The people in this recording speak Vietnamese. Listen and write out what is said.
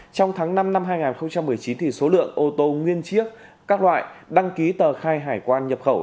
trong tháng năm năm hai nghìn một mươi chín số lượng ô tô nguyên chiếc các loại đăng ký tờ khai hải quan nhập khẩu